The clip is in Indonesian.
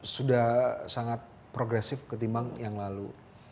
sudah sangat progresif ketimbang yang lalu